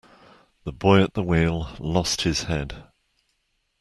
The boy at the wheel lost his head.